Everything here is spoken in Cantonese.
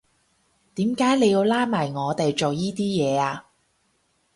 點解你要拉埋我哋做依啲嘢呀？